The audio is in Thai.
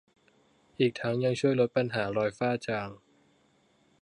อีกทั้งยังช่วยลดปัญหารอยฝ้าจาง